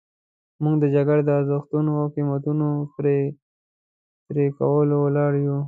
موږ د جګړې د ارزښتونو او قیمتونو پر پرې کولو ولاړ یو.